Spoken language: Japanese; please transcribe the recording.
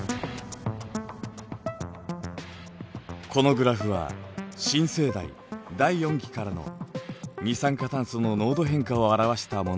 このグラフは新生代第四紀からの二酸化炭素の濃度変化を表したものです。